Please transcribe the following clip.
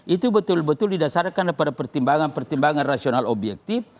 itu betul betul didasarkan pada pertimbangan pertimbangan rasional objektif